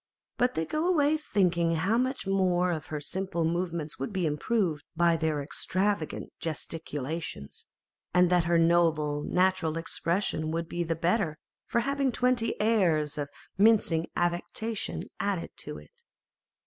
but they go away thinking how much one of her simple movements would be improved by their extravagant gesticulations, and that her noble, natural expression would be the better for having twenty airs of mincing affectation added to it.